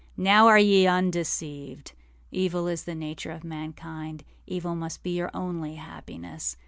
Now are ye undeceived. Evil is the nature of mankind. Evil must be your only happiness.